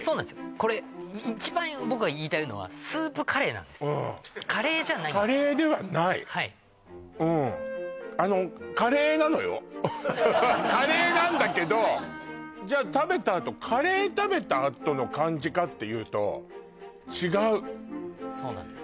これ一番僕が言いたいのはスープカレーなんですカレーじゃないんですカレーではないうんあのカレーなんだけどじゃ食べたあとカレー食べたあとの感じかっていうと違うそうなんです